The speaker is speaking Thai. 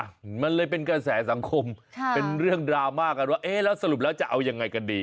มันเลยเป็นกระแสสังคมค่ะเป็นเรื่องดราม่ากันว่าเอ๊ะแล้วสรุปแล้วจะเอายังไงกันดี